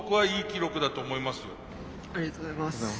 ありがとうございます。